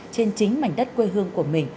trên chính mảnh đất quê hương của mình